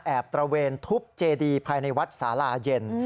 ตระเวนทุบเจดีภายในวัดสาลาเย็น